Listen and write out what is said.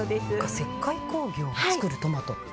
石灰工業が作るトマト。